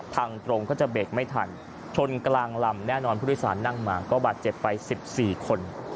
ทางตรงก็จะเบรกไม่ทันชนกลางลำแน่นอนผู้โดยสารนั่งมาก็บาดเจ็บไป๑๔คน